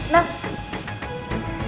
wah gila gimana sih